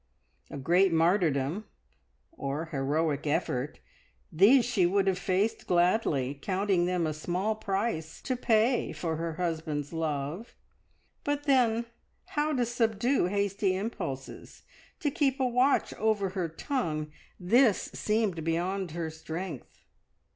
A great martyrdom, or heroic effort, these she would have faced gladly, counting them a small price to pay for her husband's love; but then how to subdue hasty impulses, to keep a watch over her tongue this seemed beyond her strength.